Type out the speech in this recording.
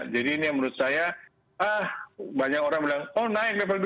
jadi ini menurut saya ah banyak orang bilang oh naik level dua